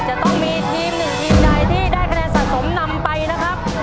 จะต้องมีทีมหนึ่งทีมใดที่ได้คะแนนสะสมนำไปนะครับ